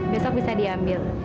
besok bisa diambil